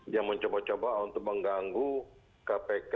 yang mencoba coba untuk mengganggu kpk